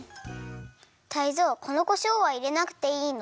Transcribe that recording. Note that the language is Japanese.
タイゾウこのこしょうはいれなくていいの？